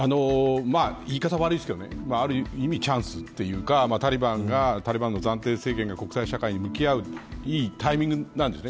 言い方が悪いですけどある意味チャンスというかタリバンの暫定政権が国際社会に向き合ういいタイミングなんです。